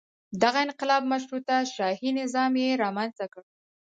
دغه انقلاب مشروطه شاهي نظام یې رامنځته کړ.